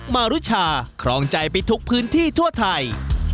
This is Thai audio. มารุชาครองใจไปทุกพื้นที่ทั่วไทย